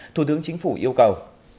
thủ tướng chính phủ yêu cầu